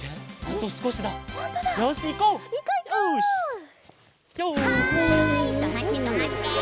とまってとまって！